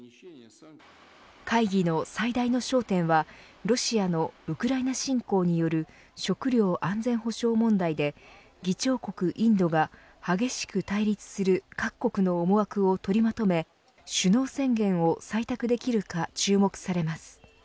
会議の最大の焦点はロシアのウクライナ侵攻による食料安全保障問題で議長国インドが激しく対立する各国の思惑を取りまとめ首脳宣言を採択できるか注目されます。